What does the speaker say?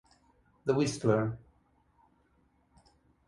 The Whistler